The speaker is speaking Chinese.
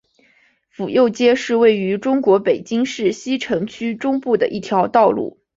府右街是位于中国北京市西城区中部的一条道路。